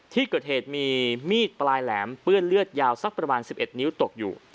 ที่เกิดเหตุมีมีดปลายแหลมเปื้อนเลือดยาวสักประมาณ๑๑นิ้วตกอยู่